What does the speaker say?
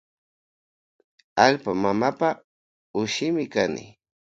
Allpa mamapa ushimi kani.